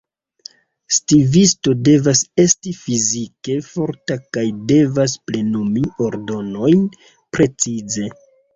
Stivisto devas esti fizike forta kaj devas plenumi ordonojn precize.